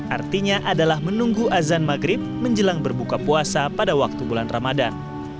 artinya adalah menunggu azan maghrib menjelang berbuka puasa pada waktu bulan ramadan